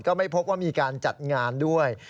ไม่พบว่ามีการจัดงานด้วย